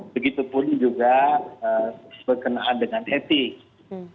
begitu pun juga berkenaan dengan etika